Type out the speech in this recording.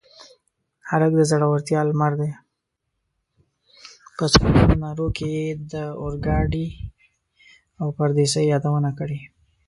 په سلګونو نارو کې یې د اورګاډي او پردیسۍ یادونه کړې.